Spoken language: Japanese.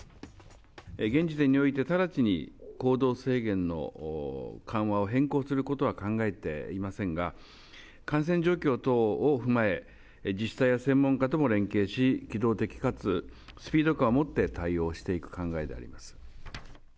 現時点において直ちに行動制限の緩和を変更することは考えていませんが、感染状況等を踏まえ、自治体や専門家とも連携し、機動的かつスピード感を持って対応していく考えであります。